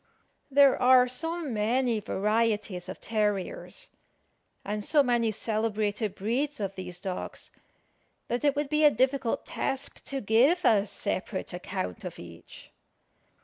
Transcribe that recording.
There are so many varieties of terriers, and so many celebrated breeds of these dogs, that it would be a difficult task to give a separate account of each.